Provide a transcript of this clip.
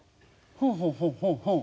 ほうほうほうほうほう。